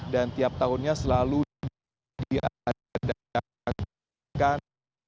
dan tiap tahunnya selalu diadakan